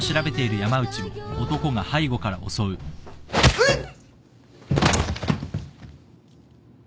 うっ。